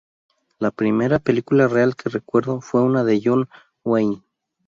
La primera película real que recuerdo fue una de John Wayne.